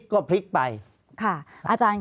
ภารกิจสรรค์ภารกิจสรรค์